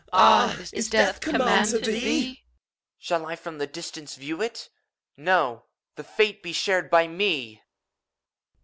Ah, is Death command to theet EUPHORION. Shall I from the distance view itt No! the fate be shared by me!